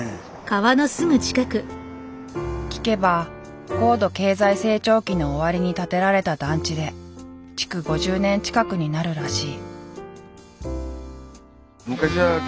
聞けば高度経済成長期の終わりに建てられた団地で築５０年近くになるらしい。